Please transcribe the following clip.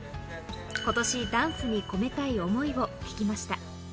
ことし、ダンスに込めたい想いを聞きました。